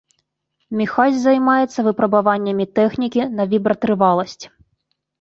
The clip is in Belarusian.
Міхась займаецца выпрабаваннямі тэхнікі на вібратрываласць.